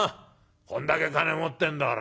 こんだけ金持ってんだから。